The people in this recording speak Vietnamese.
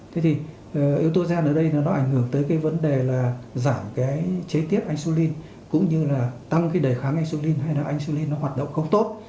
thế thì yếu tố gen ở đây nó ảnh hưởng tới cái vấn đề là giảm cái chế tiếp insulin cũng như là tăng cái đề kháng insulin hay là insulin nó hoạt động không tốt